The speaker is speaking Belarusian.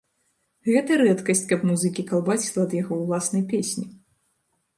Гэта рэдкасць, каб музыкі калбасіла ад яго ўласнай песні.